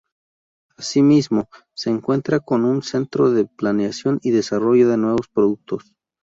Asimismo, se cuenta con un centro de planeación y desarrollo de nuevos productos.